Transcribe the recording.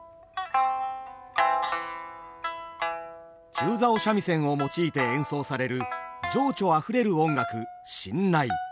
中棹三味線を用いて演奏される情緒あふれる音楽新内。